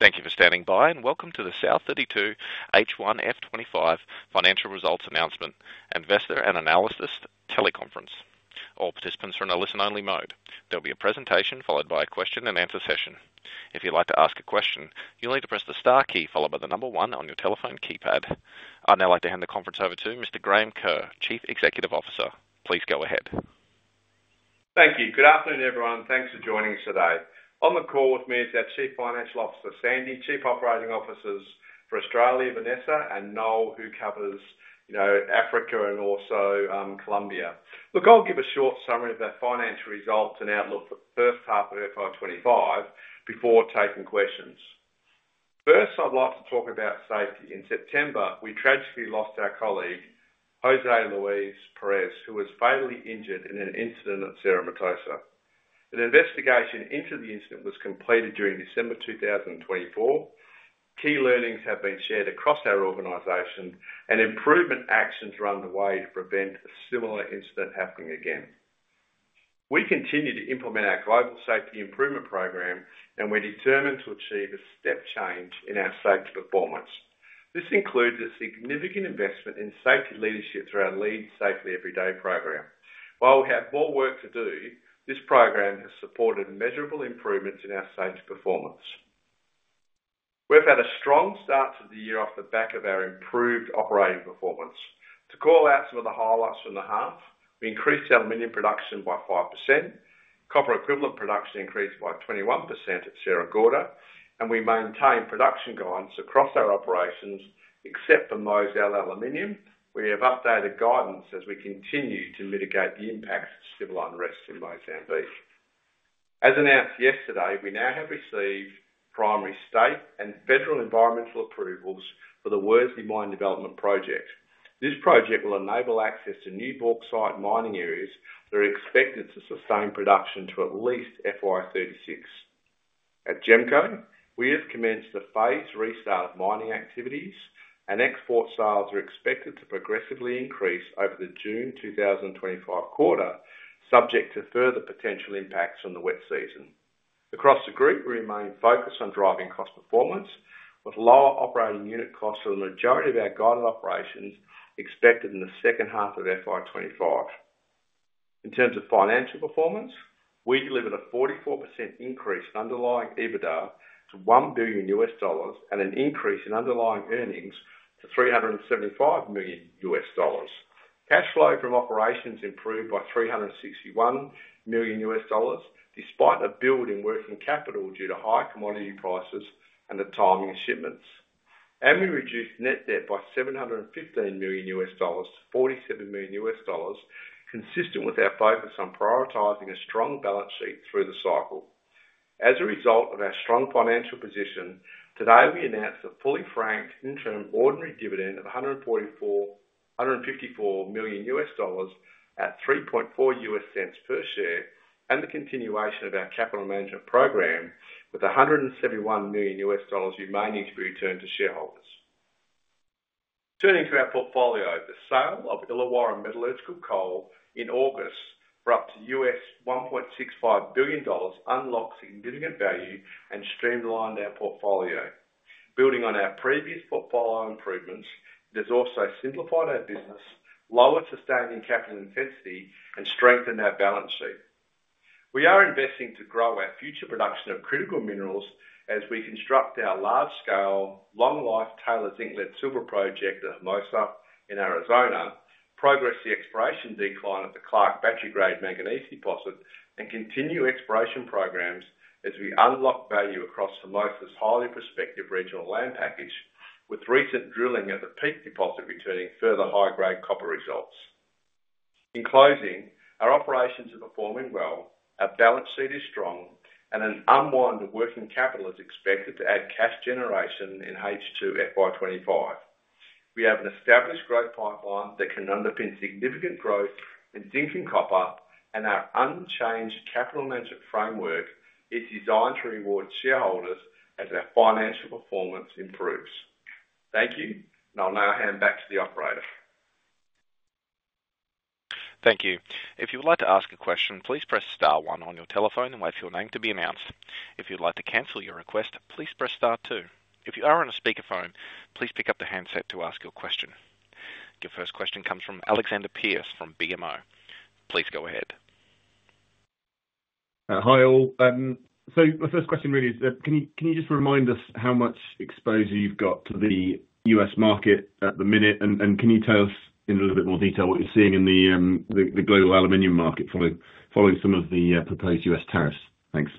Thank you for standing by, and welcome to the South32 H1 FY 2025 financial results announcement, investor and analysts teleconference. All participants are in a listen-only mode. There'll be a presentation followed by a question-and-answer session. If you'd like to ask a question, you'll need to press the star key followed by the number one on your telephone keypad. I'd now like to hand the conference over to Mr. Graham Kerr, Chief Executive Officer. Please go ahead. Thank you. Good afternoon, everyone. Thanks for joining us today. On the call with me is our Chief Financial Officer, Sandy, Chief Operating Officers for Australia, Vanessa, and Noel, who covers Africa and also Colombia. Look, I'll give a short summary of our financial results and outlook for the first half of 2025 before taking questions. First, I'd like to talk about safety. In September, we tragically lost our colleague, Jose Luis Perez, who was fatally injured in an incident at Cerro Matoso. An investigation into the incident was completed during December 2024. Key learnings have been shared across our organization, and improvement actions are underway to prevent a similar incident happening again. We continue to implement our global safety improvement program, and we're determined to achieve a step change in our safety performance. This includes a significant investment in safety leadership through our Lead Safely Every Day program. While we have more work to do, this program has supported measurable improvements in our safety performance. We've had a strong start to the year off the back of our improved operating performance. To call out some of the highlights from the half, we increased aluminum production by 5%, copper equivalent production increased by 21% at Sierra Gorda, and we maintain production guidance across our operations except for Mozal Aluminium. We have updated guidance as we continue to mitigate the impacts of civil unrest in Mozambique. As announced yesterday, we now have received primary state and federal environmental approvals for the Worsley Mine Development Project. This project will enable access to new bauxite mining areas that are expected to sustain production to at least FY36. At GEMCO, we have commenced a phased restart of mining activities, and export sales are expected to progressively increase over the June 2025 quarter, subject to further potential impacts from the wet season. Across the group, we remain focused on driving cost performance, with lower operating unit costs for the majority of our guided operations expected in the second half of FY 2025. In terms of financial performance, we delivered a 44% increase in underlying EBITDA to $1 billion and an increase in underlying earnings to $375 million. Cash flow from operations improved by $361 million, despite a build in working capital due to high commodity prices and the timing of shipments, and we reduced net debt by $715 million-$47 million, consistent with our focus on prioritizing a strong balance sheet through the cycle. As a result of our strong financial position, today we announced a fully franked interim ordinary dividend of $154 million at $3.40 per share and the continuation of our capital management program with $171 million to be returned to shareholders. Turning to our portfolio, the sale of Illawarra Metallurgical Coal in August for up to $1.65 billion unlocked significant value and streamlined our portfolio. Building on our previous portfolio improvements, it has also simplified our business, lowered sustaining capital intensity, and strengthened our balance sheet. We are investing to grow our future production of critical minerals as we construct our large-scale, long-life Taylor zinc-lead silver project at Hermosa in Arizona, progress the exploration decline at the Clark battery-grade manganese deposit, and continue exploration programs as we unlock value across Hermosa's highly prospective regional land package, with recent drilling at the Peak Deposit returning further high-grade copper results. In closing, our operations are performing well. Our balance sheet is strong, and an unwind of working capital is expected to add cash generation in H2 FY 2025. We have an established growth pipeline that can underpin significant growth in zinc and copper, and our unchanged capital management framework is designed to reward shareholders as our financial performance improves. Thank you, and I'll now hand back to the operator. Thank you. If you would like to ask a question, please press star one on your telephone and wait for your name to be announced. If you'd like to cancel your request, please press star two. If you are on a speakerphone, please pick up the handset to ask your question. Your first question comes from Alexander Pearce from BMO. Please go ahead. Hi, all. So my first question really is, can you just remind us how much exposure you've got to the U.S. market at the minute, and can you tell us in a little bit more detail what you're seeing in the global aluminum market following some of the proposed U.S. tariffs? Thanks.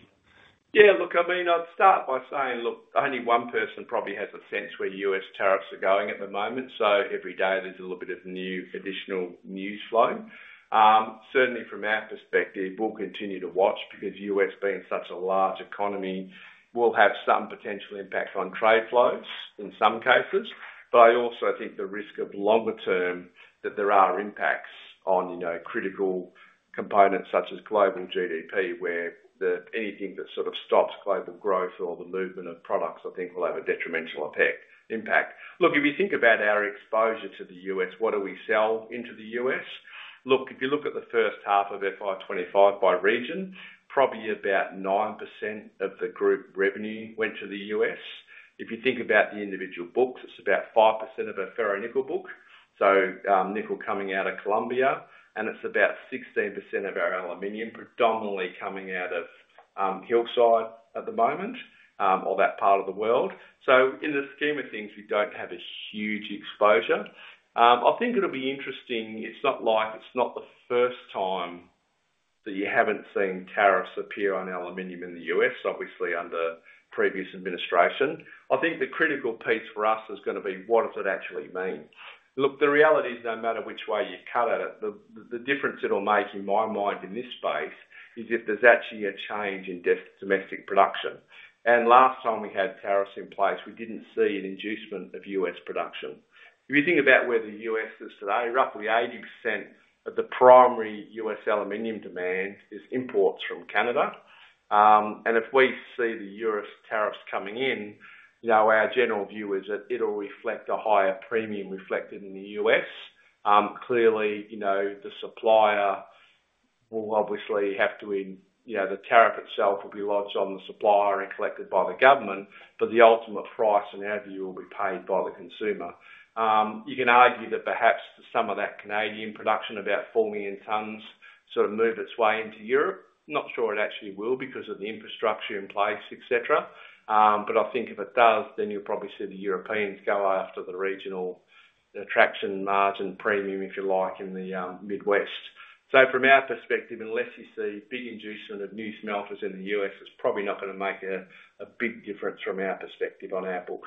Yeah, look, I mean, I'd start by saying, look, only one person probably has a sense where U.S. tariffs are going at the moment. So every day there's a little bit of new additional news flow. Certainly, from our perspective, we'll continue to watch because U.S. being such a large economy, we'll have some potential impact on trade flows in some cases. But I also think the risk of longer-term that there are impacts on critical components such as global GDP, where anything that sort of stops global growth or the movement of products, I think will have a detrimental impact. Look, if you think about our exposure to the U.S., what do we sell into the U.S.? Look, if you look at the first half of FY 2025 by region, probably about 9% of the group revenue went to the U.S. If you think about the individual books, it's about 5% of a ferronickel book, so nickel coming out of Colombia, and it's about 16% of our aluminum, predominantly coming out of Hillside at the moment or that part of the world. So in the scheme of things, we don't have a huge exposure. I think it'll be interesting. It's not like it's not the first time that you haven't seen tariffs appear on aluminum in the U.S., obviously under previous administration. I think the critical piece for us is going to be, what does it actually mean? Look, the reality is, no matter which way you cut at it, the difference it'll make in my mind in this space is if there's actually a change in domestic production, and last time we had tariffs in place, we didn't see an inducement of U.S. production. If you think about where the U.S. is today, roughly 80% of the primary U.S. aluminum demand is imports from Canada. And if we see the U.S. tariffs coming in, our general view is that it'll reflect a higher premium reflected in the U.S. Clearly, the supplier will obviously have to bear the tariff. The tariff itself will be lodged on the supplier and collected by the government, but the ultimate price, in our view, will be paid by the consumer. You can argue that perhaps some of that Canadian production, about four million tons, sort of move its way into Europe. Not sure it actually will because of the infrastructure in place, etc. But I think if it does, then you'll probably see the Europeans go after the regional attraction margin premium, if you like, in the Midwest. So from our perspective, unless you see big inducement of new smelters in the U.S., it's probably not going to make a big difference from our perspective on our book.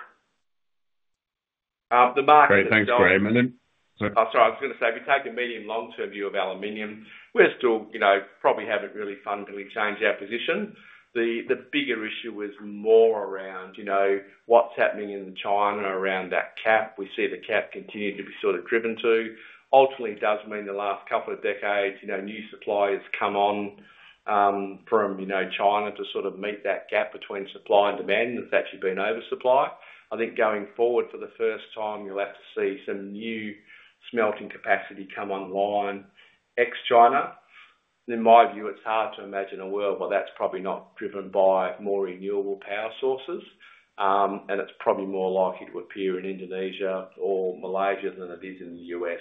The market. Great. Thanks, Graham. And then. I'm sorry. I was going to say, if you take a medium-long-term view of aluminum, we still probably haven't really fundamentally changed our position. The bigger issue is more around what's happening in China around that cap. We see the cap continue to be sort of driven to. Ultimately, it does mean the last couple of decades, new suppliers come on from China to sort of meet that gap between supply and demand. It's actually been oversupply. I think going forward, for the first time, you'll have to see some new smelting capacity come online ex-China. In my view, it's hard to imagine a world where that's probably not driven by more renewable power sources, and it's probably more likely to appear in Indonesia or Malaysia than it is in the U.S.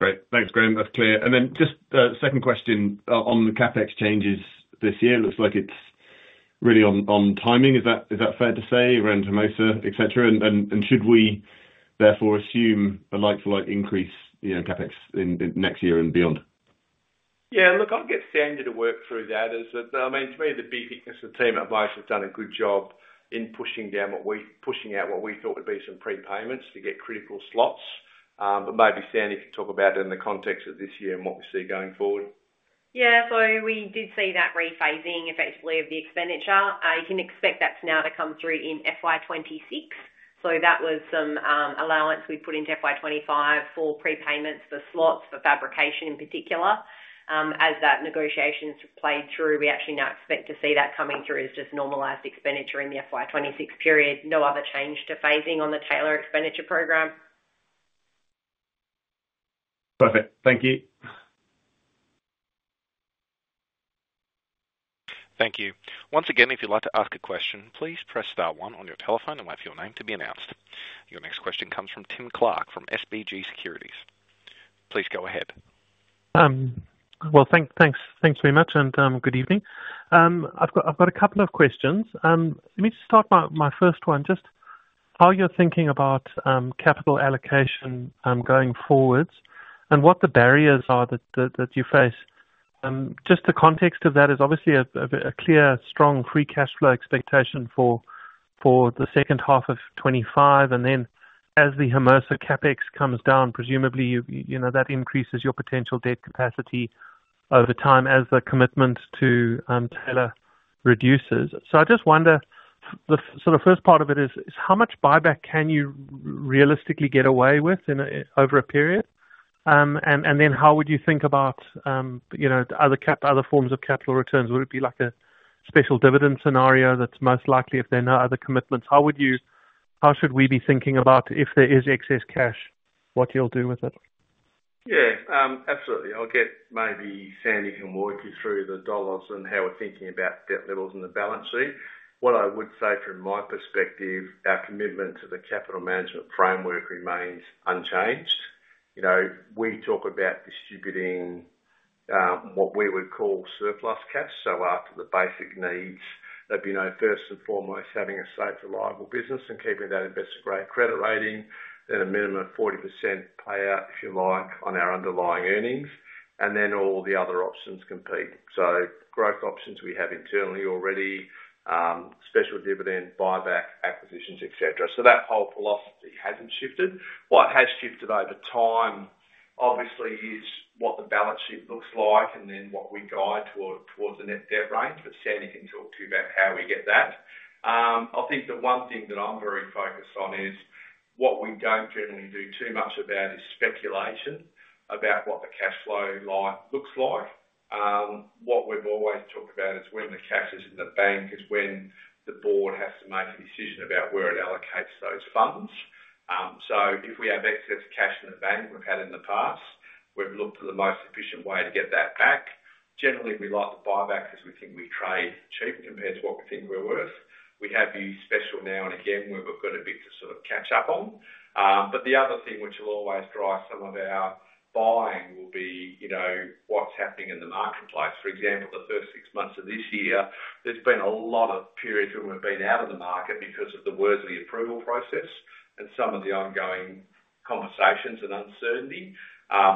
Great. Thanks, Graham. That's clear. And then just a second question on the CapEx changes this year. Looks like it's really on timing. Is that fair to say around Hermosa, etc.? And should we therefore assume a like-for-like increase in CapEx next year and beyond? Yeah. Look, I'll get Sandy to work through that. I mean, to me, the BPS team at Vice has done a good job in pushing out what we thought would be some prepayments to get critical slots. But maybe Sandy can talk about it in the context of this year and what we see going forward. Yeah. So we did see that rephasing effectively of the expenditure. You can expect that now to come through in FY 2026. So that was some allowance we put into FY 2025 for prepayments for slots for fabrication in particular. As that negotiation's played through, we actually now expect to see that coming through as just normalized expenditure in the FY 2026 period. No other change to phasing on the tailored expenditure program. Perfect. Thank you. Thank you. Once again, if you'd like to ask a question, please press star one on your telephone and wait for your name to be announced. Your next question comes from Tim Clark from SBG Securities. Please go ahead. Well, thanks very much, and good evening. I've got a couple of questions. Let me just start my first one. Just how you're thinking about capital allocation going forwards and what the barriers are that you face. Just the context of that is obviously a clear, strong free cash flow expectation for the second half of 2025. And then as the Hermosa capex comes down, presumably that increases your potential debt capacity over time as the commitment to Taylor reduces. So I just wonder, the sort of first part of it is how much buyback can you realistically get away with over a period? And then how would you think about other forms of capital returns? Would it be like a special dividend scenario that's most likely if there are no other commitments? How should we be thinking about if there is excess cash, what you'll do with it? Yeah. Absolutely. I'll get maybe Sandy can walk you through the dollars and how we're thinking about debt levels in the balance sheet. What I would say from my perspective, our commitment to the capital management framework remains unchanged. We talk about distributing what we would call surplus cash. So after the basic needs, that'd be first and foremost, having a safe, reliable business and keeping that investor-grade credit rating, then a minimum of 40% payout, if you like, on our underlying earnings, and then all the other options compete. So growth options we have internally already, special dividend, buyback, acquisitions, etc. So that whole philosophy hasn't shifted. What has shifted over time, obviously, is what the balance sheet looks like and then what we guide towards the net debt range. But Sandy can talk to you about how we get that. I think the one thing that I'm very focused on is what we don't generally do too much about is speculation about what the cash flow looks like. What we've always talked about is when the cash is in the bank is when the board has to make a decision about where it allocates those funds. So if we have excess cash in the bank, we've had in the past, we've looked at the most efficient way to get that back. Generally, we like the buyback because we think we trade cheap compared to what we think we're worth. We have used special now and again where we've got a bit to sort of catch up on. But the other thing which will always drive some of our buying will be what's happening in the marketplace. For example, the first six months of this year, there's been a lot of periods when we've been out of the market because of the Worsley approval process and some of the ongoing conversations and uncertainty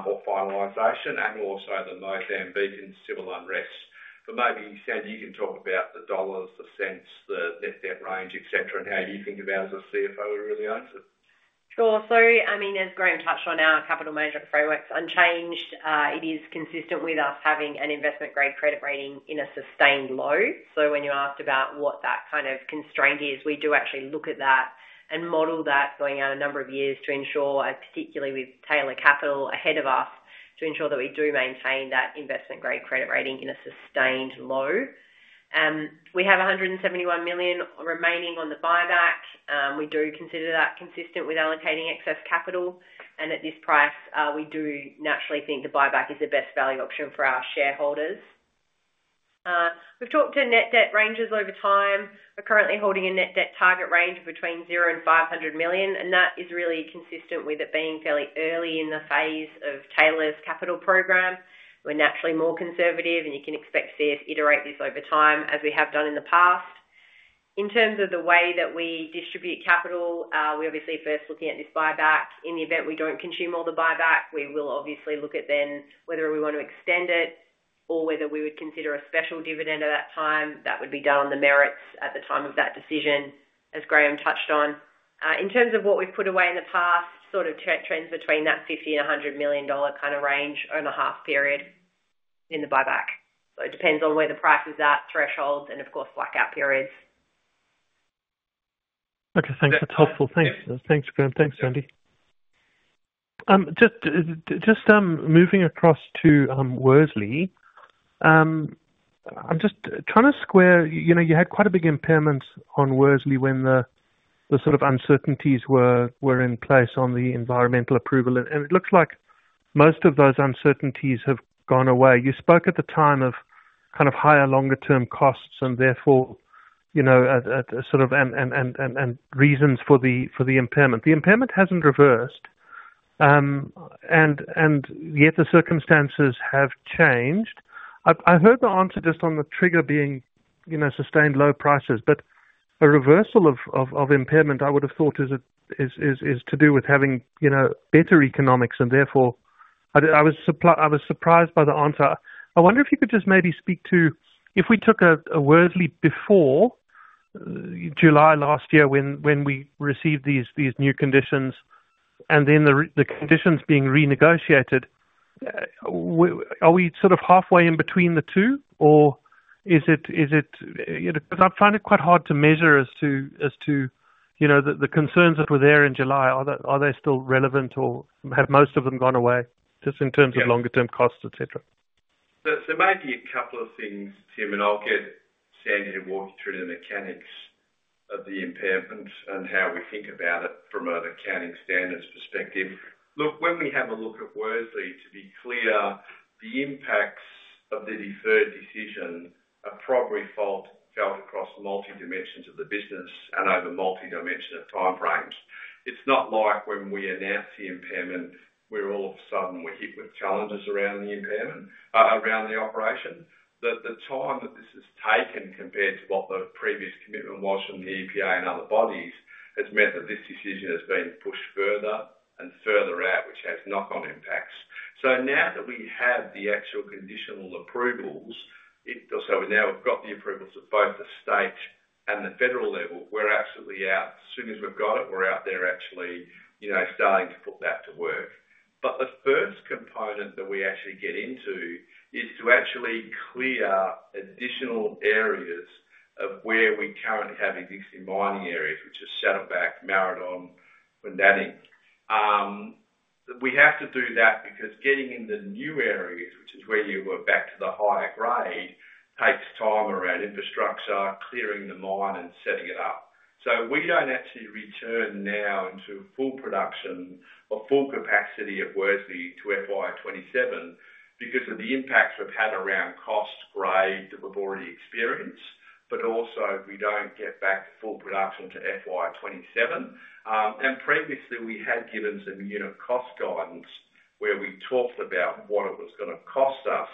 or finalization and also the Mozambican civil unrest, but maybe Sandy, you can talk about the dollars, the cents, the net debt range, etc., and how you think about it as a CFO who really owns it. Sure. So I mean, as Graham touched on, our capital management framework's unchanged. It is consistent with us having an investment-grade credit rating in a sustained low. So when you asked about what that kind of constraint is, we do actually look at that and model that going out a number of years to ensure, particularly with tailored capital ahead of us, to ensure that we do maintain that investment-grade credit rating in a sustained low. We have 171 million remaining on the buyback. We do consider that consistent with allocating excess capital. And at this price, we do naturally think the buyback is the best value option for our shareholders. We've talked to net debt ranges over time. We're currently holding a net debt target range between zero and 500 million, and that is really consistent with it being fairly early in the phase of Taylor's Capital Program. We're naturally more conservative, and you can expect CS to iterate this over time as we have done in the past. In terms of the way that we distribute capital, we're obviously first looking at this buyback. In the event we don't consume all the buyback, we will obviously look at then whether we want to extend it or whether we would consider a special dividend at that time. That would be done on the merits at the time of that decision, as Graham touched on. In terms of what we've put away in the past, sort of trends between that $50 million-$100 million kind of range over the half period in the buyback. So it depends on where the price is at, thresholds, and of course, blackout periods. Okay. Thanks. That's helpful. Thanks, Graham. Thanks, Sandy. Just moving across to Worsley, I'm just trying to square you had quite a big impairment on Worsley when the sort of uncertainties were in place on the environmental approval. And it looks like most of those uncertainties have gone away. You spoke at the time of kind of higher longer-term costs and therefore sort of reasons for the impairment. The impairment hasn't reversed, and yet the circumstances have changed. I heard the answer just on the trigger being sustained low prices, but a reversal of impairment, I would have thought, is to do with having better economics. And therefore, I was surprised by the answer. I wonder if you could just maybe speak to if we took a Worsley before July last year when we received these new conditions and then the conditions being renegotiated, are we sort of halfway in between the two, or is it because I find it quite hard to measure as to the concerns that were there in July? Are they still relevant, or have most of them gone away just in terms of longer-term costs, etc.? So maybe a couple of things, Tim, and I'll get Sandy to walk you through the mechanics of the impairment and how we think about it from an accounting standards perspective. Look, when we have a look at Worsley, to be clear, the impacts of the deferred decision are probably felt across multi-dimensions of the business and over multi-dimensional time frames. It's not like when we announce the impairment, we're all of a sudden hit with challenges around the operation. The time that this has taken compared to what the previous commitment was from the EPA and other bodies has meant that this decision has been pushed further and further out, which has knock-on impacts. So now that we have the actual conditional approvals, so we now have got the approvals at both the state and the federal level, we're absolutely out. As soon as we've got it, we're out there actually starting to put that to work. But the first component that we actually get into is to actually clear additional areas of where we currently have existing mining areas, which are Saddleback, Marradong, Quindanning. We have to do that because getting in the new areas, which is where you were back to the higher grade, takes time around infrastructure, clearing the mine, and setting it up. So we don't actually return now into full production or full capacity of Worsley to FY 2027 because of the impact we've had around cost grade that we've already experienced, but also we don't get back to full production to FY 2027. And previously, we had given some unit cost guidance where we talked about what it was going to cost us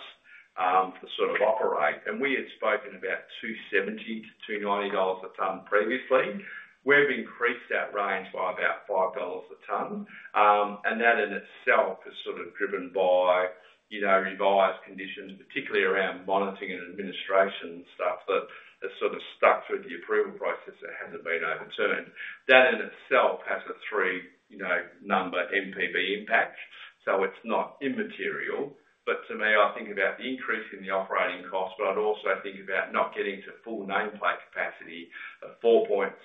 to sort of operate. And we had spoken about $270-$290 a tonne previously. We've increased that range by about $5 a tonne. And that in itself is sort of driven by revised conditions, particularly around monitoring and administration stuff that has sort of stuck through the approval process that hasn't been overturned. That in itself has a three-num`ber NPV impact. So it's not immaterial. But to me, I think about the increase in the operating cost, but I'd also think about not getting to full nameplate capacity of four points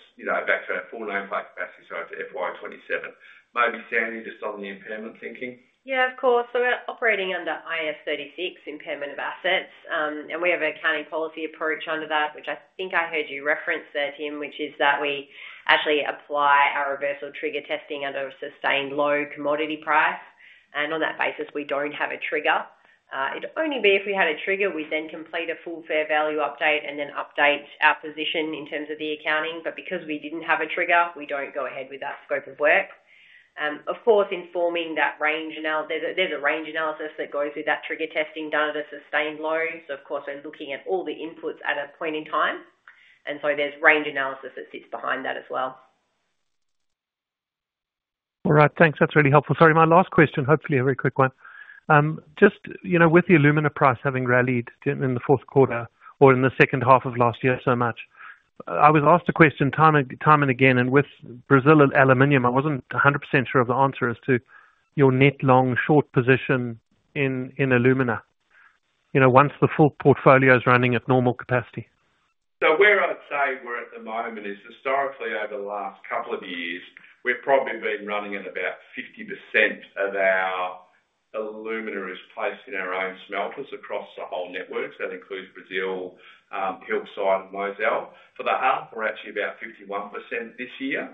back to a full nameplate capacity, so to FY 2027. Maybe Sandy, just on the impairment thinking? Yeah, of course. So we're operating under IAS 36, impairment of assets. And we have an accounting policy approach under that, which I think I heard you reference there, Tim, which is that we actually apply our reversal trigger testing under a sustained low commodity price. And on that basis, we don't have a trigger. It'd only be if we had a trigger; we then complete a full fair value update and then update our position in terms of the accounting. But because we didn't have a trigger, we don't go ahead with that scope of work. Of course, informing that range analysis, there's a range analysis that goes with that trigger testing done at a sustained low. So of course, we're looking at all the inputs at a point in time. And so there's range analysis that sits behind that as well. All right. Thanks. That's really helpful. Sorry, my last question, hopefully a very quick one. Just with the alumina price having rallied in the fourth quarter or in the second half of last year so much, I was asked a question time and again. And with Brazil Aluminium, I wasn't 100% sure of the answer as to your net long-short position in alumina once the full portfolio is running at normal capacity. So where I'd say we're at the moment is historically, over the last couple of years, we've probably been running at about 50% of our alumina is placed in our own smelters across the whole network. So that includes Brazil, Hillside, and Mozal. For the hub, we're actually about 51% this year.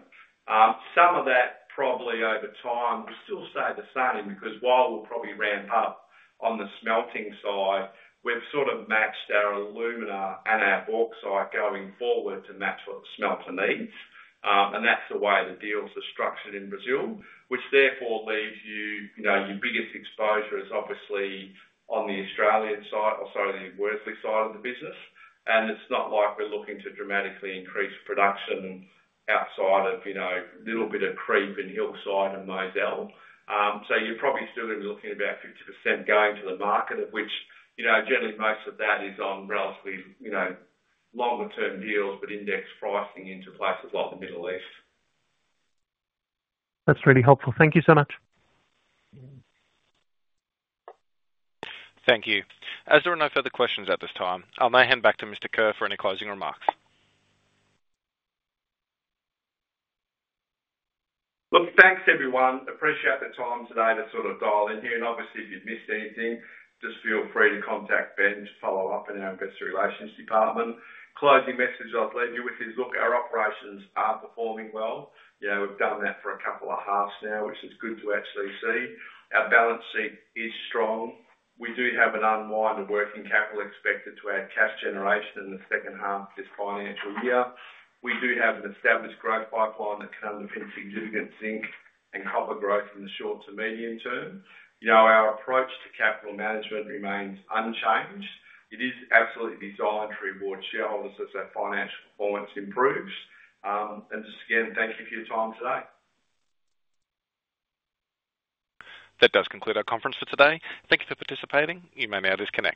Some of that probably over time, we'll still say the same because while we'll probably ramp up on the smelting side, we've sort of matched our alumina and our bauxite going forward to match what the smelter needs. And that's the way the deals are structured in Brazil, which therefore leaves you your biggest exposure is obviously on the Australian side or sorry, the Worsley side of the business. And it's not like we're looking to dramatically increase production outside of a little bit of creep in Hillside and Mozal. So you're probably still going to be looking at about 50% going to the market, of which generally most of that is on relatively longer-term deals, but index pricing into places like the Middle East. That's really helpful. Thank you so much. Thank you. As there are no further questions at this time, I'll now hand back to Mr. Kerr for any closing remarks. Look, thanks everyone. Appreciate the time today to sort of dial in here. And obviously, if you've missed anything, just feel free to contact Ben to follow up in our investor relations department. Closing message I've left you with is, look, our operations are performing well. We've done that for a couple of halves now, which is good to actually see. Our balance sheet is strong. We do have an unwind of working capital expected to add cash generation in the second half of this financial year. We do have an established growth pipeline that can underpin significant zinc and copper growth in the short to medium term. Our approach to capital management remains unchanged. It is absolutely designed to reward shareholders as their financial performance improves. And just again, thank you for your time today. That does conclude our conference for today. Thank you for participating. You may now disconnect.